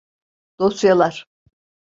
Dosyalar…